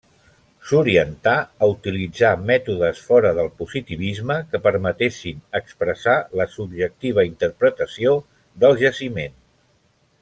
S'orientà a utilitzar mètodes fora del positivisme que permetessin expressar la subjectiva interpretació del jaciment.